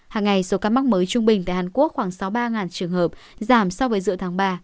hàng ngày số ca mắc mới trung bình tại hàn quốc khoảng sáu mươi ba trường hợp giảm so với giữa tháng ba